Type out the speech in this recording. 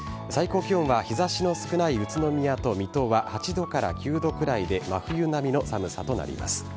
最高気温は日ざしの少ない宇都宮と水戸は８度から９度くらいで、真冬並みの寒さとなります。